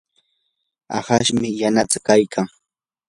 ahashmi yanasaa kaykan.